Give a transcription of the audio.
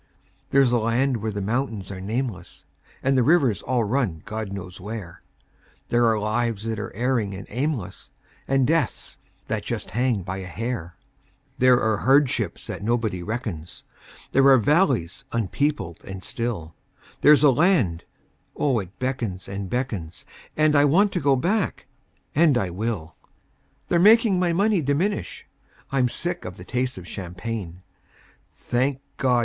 There's a land where the mountains are nameless, And the rivers all run God knows where; There are lives that are erring and aimless, And deaths that just hang by a hair; There are hardships that nobody reckons; There are valleys unpeopled and still; There's a land oh, it beckons and beckons, And I want to go back and I will. They're making my money diminish; I'm sick of the taste of champagne. Thank God!